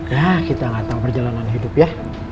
ya kita gak tahu perjalanan hidup ya